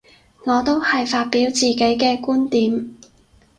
我都係發表自己嘅觀點